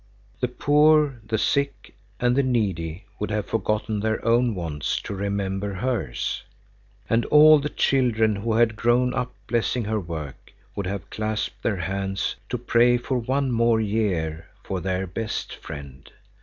The poor, the sick and the needy would have forgotten their own wants to remember hers, and all the children who had grown up blessing her work would have clasped their hands to pray for one more year for their best friend.